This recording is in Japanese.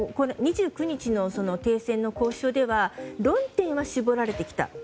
２９日の停戦の交渉では論点は絞られてきた。